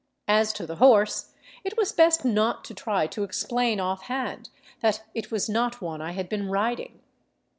As to the horse, it was best not to try to explain offhand that it was not one I had been riding.